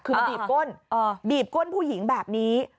คือมันบีบก้นบีบก้นผู้หญิงแบบนี้